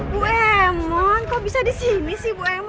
bu emon kok bisa di sini sih bu emo